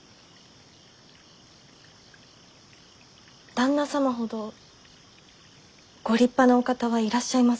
旦那様ほどご立派なお方はいらっしゃいません。